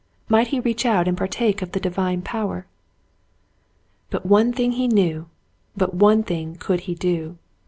Might he reach out and partake of the Divine power ? But one thing he knew ; but one thing could he do.